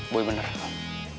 boy bener kal